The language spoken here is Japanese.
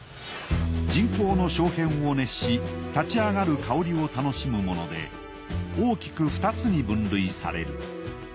沈香の小片を熱し立ち上がる香りを楽しむもので大きく２つに分類される。